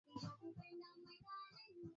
ndogo wanajiona kuwa bora kuliko watu wengine